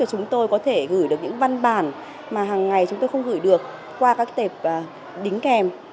chúng tôi có thể gửi được những văn bản mà hằng ngày chúng tôi không gửi được qua các tệp đính kèm